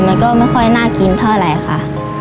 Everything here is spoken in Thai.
มันก็ไม่ค่อยน่ากินเท่าไหร่ค่ะ